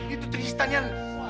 itu tristan yang jawab lo di mana